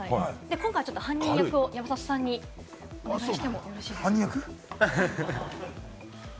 今回、犯人役を山里さんにお願いしてもよろしいですか。